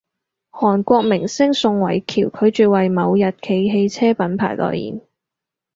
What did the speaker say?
韓國明星宋慧喬拒絕爲某日企汽車品牌代言